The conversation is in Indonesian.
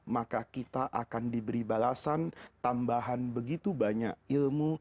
maka kita akan diberi balasan tambahan begitu banyak ilmu